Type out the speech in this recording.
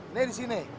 nih di sini